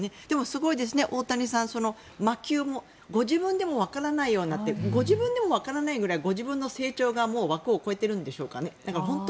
でもすごいですね、大谷さん魔球もご自分でもわからないようなってご自分でもわからないくらいご自分の成長が枠を超えてるんですかね。